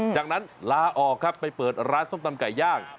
จากนั้นลาออกครับไปเปิดร้านส้มตำไก่ย่าง